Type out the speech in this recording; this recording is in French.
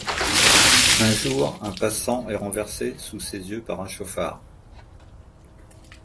Un jour, un passant est renversé sous ses yeux par un chauffard.